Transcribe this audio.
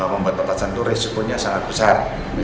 membuat petasan itu resikonya sangat besar